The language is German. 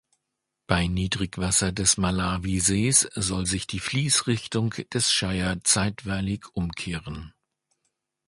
Bei Niedrigwasser des Malawisees soll sich die Fließrichtung des Shire zeitweilig umkehren.